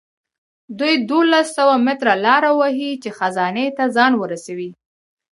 دوی دولس سوه متره لاره وهي چې خزانې ته ځان ورسوي.